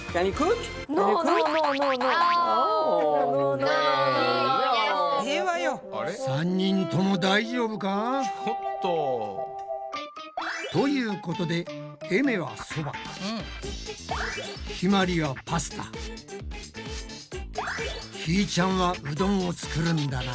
ちょっと。ということでえめはそばひまりはパスタひーちゃんはうどんを作るんだな。